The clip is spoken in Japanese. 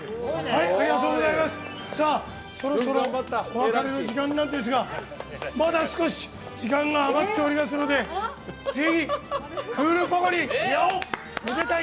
そろそろお別れの時間ですがまだ少し時間が余っておりますのでぜひ、クールポコ。に。